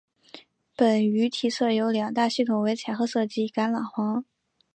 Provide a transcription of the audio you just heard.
本鱼体色有两大系统为浅褐色及橄榄黄。